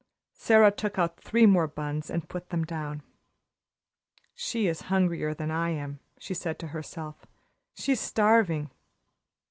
Sara took out three more buns and put them down. "She is hungrier than I am," she said to herself. "She's starving."